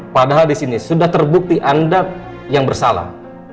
padahal disini sudah terbukti anda yang bersalah